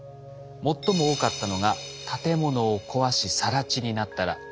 最も多かったのが建物を壊しさら地になったら。